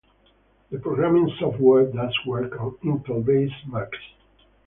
The programming software does work on Intel-based Macs.